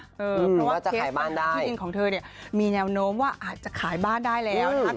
เพราะว่าเคสบ้านที่ดินของเธอเนี่ยมีแนวโน้มว่าอาจจะขายบ้านได้แล้วนะครับ